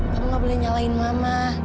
kamu gak boleh nyalain mama